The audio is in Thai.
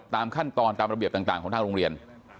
ตามขั้นตอนตามระเบียบต่างของทางโรงเรียน